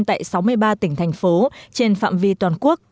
tại sáu mươi ba tỉnh thành phố trên phạm vi toàn quốc